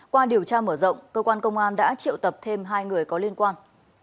qua điều tra mở rộng cơ quan công an đã triệu tập thêm hai người có liên quan